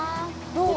どう？